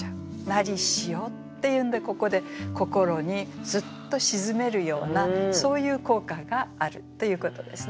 「なりしよ」っていうんでここで心にスッとしずめるようなそういう効果があるということですね。